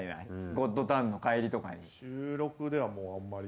『ゴッドタン』の帰りとかに。